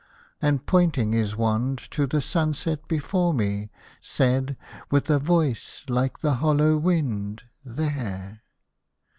• And pointing his wand to the sunset before me. Said, with a voice like the hollow wind, "There."